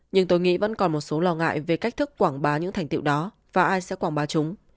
nhưng tôi nghĩ vẫn còn một số lo ngại về cách thức quảng bá những thành tiệu đó và ai sẽ quảng bá chúng